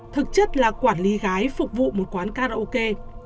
thực chất là quản lý gái phục vụ một quán karaoke